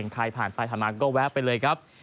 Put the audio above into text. ถัดมาก็แวะไปเลยครับ